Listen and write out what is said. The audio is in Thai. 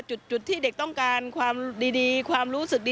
จุดนั้นน่ะครู